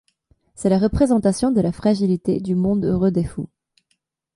C’est la représentation de la fragilité du monde heureux des fous.